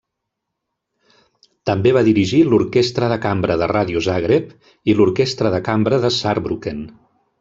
També va dirigir l'Orquestra de Cambra de Ràdio Zagreb i l'Orquestra de Cambra de Saarbrücken.